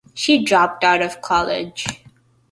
She dropped out of college.